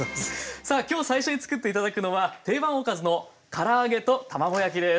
さあ今日最初に作っていただくのは定番おかずのから揚げと卵焼きです。